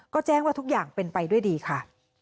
ก็แจ้งว่าทุกอย่างเป็นไปด้วยดีค่ะ